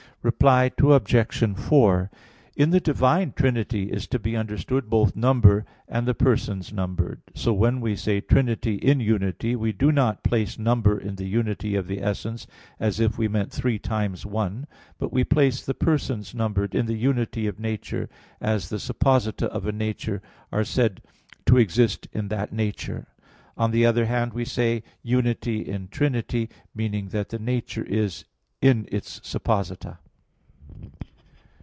Reply Obj. 4: In the divine Trinity is to be understood both number and the persons numbered. So when we say, "Trinity in Unity," we do not place number in the unity of the essence, as if we meant three times one; but we place the Persons numbered in the unity of nature; as the supposita of a nature are said to exist in that nature. On the other hand, we say "Unity in Trinity"; meaning that the nature is in its _supposita.